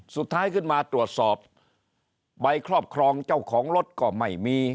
สุดท้ายขึ้นมาตรวจสอบใบครอบครองเจ้าของรถก็ไม่มี